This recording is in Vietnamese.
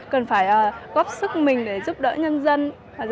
cần phải góp sức mình để giúp đỡ nhân dân